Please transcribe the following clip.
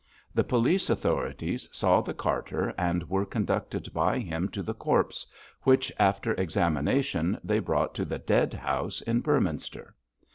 The police authorities saw the carter and were conducted by him to the corpse, which, after examination, they brought to the dead house in Beorminster.